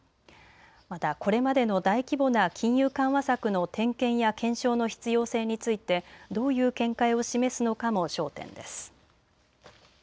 またこれまでの大規模な金融緩和策の点検や検証の必要性についてどういう見解を示すのかも焦点です。